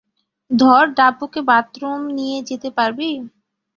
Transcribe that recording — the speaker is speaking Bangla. ধর ডাব্বুকে বাথরুম নিয়ে যেতে পারবি?